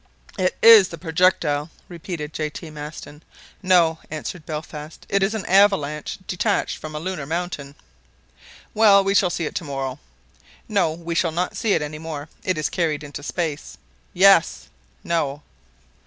"It is the projectile!" repeated J. T. Maston. "No," answered Belfast; "it is an avalanche detached from a lunar mountain." "Well, we shall see it to morrow." "No, we shall not see it any more. It is carried into space." "Yes!" "No!"